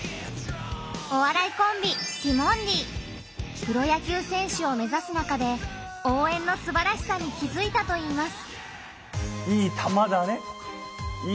お笑いコンビプロ野球選手を目指す中で「応援」のすばらしさに気づいたといいます。